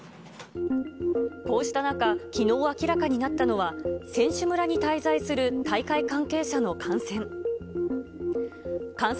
こうした中、きのう明らかになったのは、選手村に滞在する大会関係者の感染。